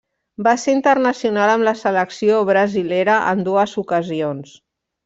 Va ser internacional amb la selecció brasilera en dues ocasions.